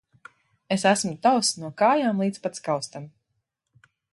Es esmu tavs no kājām līdz pat skaustam.